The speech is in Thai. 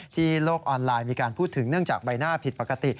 โลกออนไลน์มีการพูดถึงเนื่องจากใบหน้าผิดปกติ